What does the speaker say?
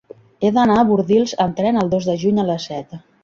He d'anar a Bordils amb tren el dos de juny a les set.